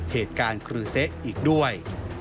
เหตุการณ์คฤเสะอีกด้วย